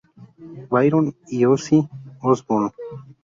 Byron y Ozzy Osbourne.